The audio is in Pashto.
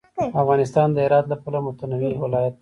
افغانستان د هرات له پلوه متنوع ولایت دی.